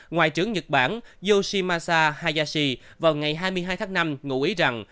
ngoại trưởng nhật bản yoshimasa hayashi vào ngày hai mươi hai tháng năm ngụ ý rằng